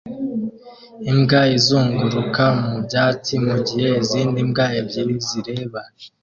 Imbwa izunguruka mu byatsi mu gihe izindi mbwa ebyiri zireba